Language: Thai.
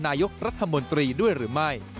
นายกรัฐมนตรีด้วยหรือไม่